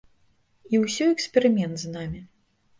І ўсё эксперымент з намі.